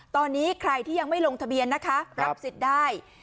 ตอนนี้ใครที่ยังไม่ลงทะเบียนนะคะรับสิทธิ์ได้